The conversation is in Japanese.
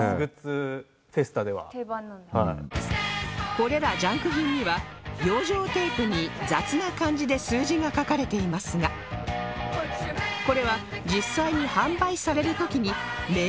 これらジャンク品には養生テープに雑な感じで数字が書かれていますがこれは実際に販売される時に目安となる値段なんだとか